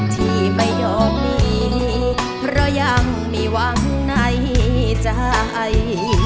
ที่ไม่ยอมหนีเพราะยังมีหวังในใจ